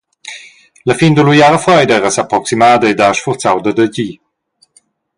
La fin dalla uiara freida era s’approximada ed ha sfurzau dad agir.